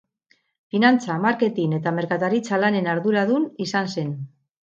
Finantza-, marketin- eta merkataritza-lanen arduradun izan zen.